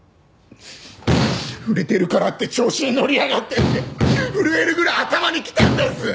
売れてるからって調子にのりやがってって震えるぐらい頭にきたんです！